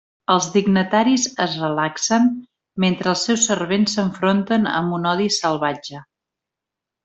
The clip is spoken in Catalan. Els dignataris es relaxen, mentre els seus servents s'enfronten amb un odi salvatge.